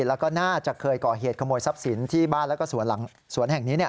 แล้วก็น่าจะเคยก่อเหตุขโมยทรัพย์สินที่บ้านแล้วก็สวนหลังสวนแห่งนี้